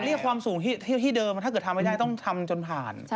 เรียกความสูงที่เดิมถ้าเกิดทำไม่ได้ต้องทำจนผ่าน